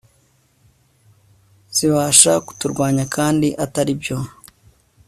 zibasha kuturwanyakandi atari byo